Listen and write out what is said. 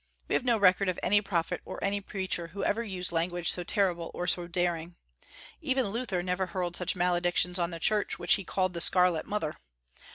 We have no record of any prophet or any preacher who ever used language so terrible or so daring. Even Luther never hurled such maledictions on the church which he called the "scarlet mother."